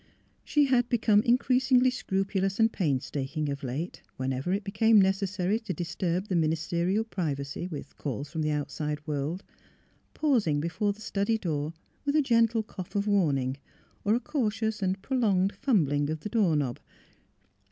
She had become increasingly scrupulous and painstaking of late, whenever it became necessary to disturb the ministerial privacy with calls from the outside world, paus ing before the study door with a gentle cough of warning, or a cautious and prolonged fumbling with the door knob.